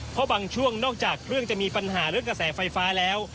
เพราะบางช่วงนอกจากเครื่องจะมีปัญหาเรื่องกระแสไฟฟ้าแล้ว